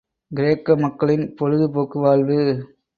கிரேக்க மக்களின் பொழுது போக்கு வாழ்வு.